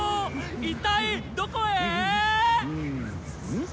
一体どこへー⁉ん？